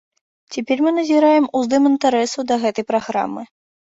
Цяпер мы назіраем уздым інтарэсу да гэтай праграмы.